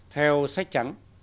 theo sách trắng